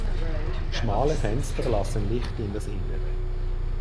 Schmale Fenster lassen Licht in das Innere.